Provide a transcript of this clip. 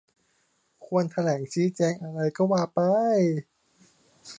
ควรแถลงชี้แจงอะไรก็ว่าไป